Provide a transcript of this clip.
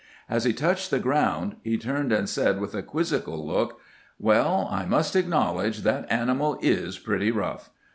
As he touched the ground he turned and said with a quizzical look, " "Well, I must acknowledge that animal is pretty rough."